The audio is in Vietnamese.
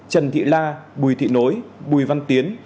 trần thị la bùi thị nối bùi văn tiến